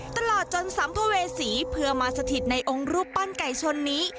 ตลอดจนสัมภเวษีเพื่อมาสถิตในองค์รูปปั้นไก่ชนนี้